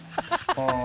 ああ。